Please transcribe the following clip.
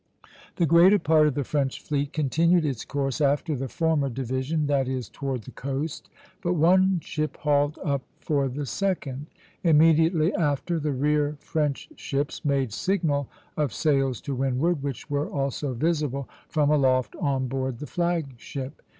The greater part of the French fleet continued its course after the former division, that is, toward the coast; but one ship hauled up for the second. Immediately after, the rear French ships made signal of sails to windward, which were also visible from aloft on board the flag ship.